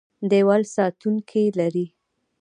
دیوال ساتونکي لري.